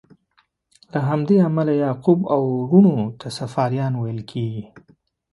له همدې امله یعقوب او وروڼو ته صفاریان ویل کیږي.